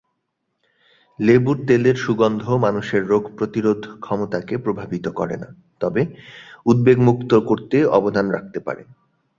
লেবুর তেলের সুগন্ধ মানুষের রোগ প্রতিরোধ ক্ষমতাকে প্রভাবিত করে না, তবে উদ্বেগ মুক্ত করতে অবদান রাখতে পারে।